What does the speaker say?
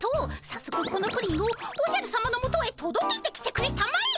さっそくこのプリンをおじゃるさまのもとへとどけてきてくれたまえ。